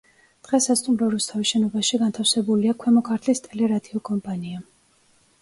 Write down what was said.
დღეს სასტუმრო რუსთავის შენობაში განთავსებულია ქვემო ქართლის ტელე-რადიო კომპანია.